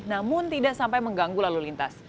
namun tidak sampai mengganggu lalu lintas